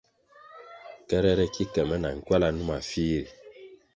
Kerere ki ke me na nkywala numa fih ri.